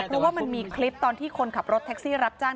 เพราะว่ามันมีคลิปตอนที่คนขับทีลทราบจ้าน